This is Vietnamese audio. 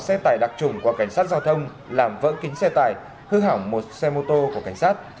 xe tải đặc trủng qua cảnh sát giao thông làm vỡ kính xe tải hư hỏng một xe mô tô của cảnh sát